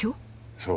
そう。